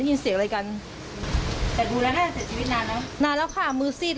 ยินเสียอะไรแต่ดูแลก็สีจีนมากน่ะนานแล้วค่ะมือซีด